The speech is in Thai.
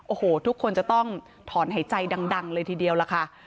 โอ้โหทุกคนจะต้องถอนหายใจดังเลยทีเดียวล่ะค่ะ